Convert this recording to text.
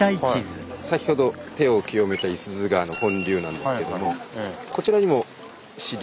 先ほど手を清めた五十鈴川の本流なんですけどもこちらにも支流。